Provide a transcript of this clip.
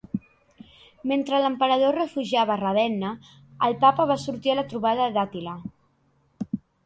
Mentre l'Emperador es refugiava a Ravenna, el Papa va sortir a la trobada d'Àtila.